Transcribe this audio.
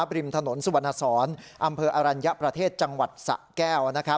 ริมถนนสุวรรณสอนอำเภออรัญญประเทศจังหวัดสะแก้ว